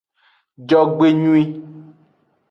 Jogbenyui.